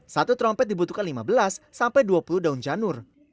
satu trompet dibutuhkan lima belas sampai dua puluh daun janur